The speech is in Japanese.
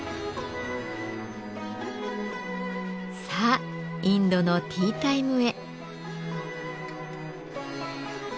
さあインドのティータイムへ。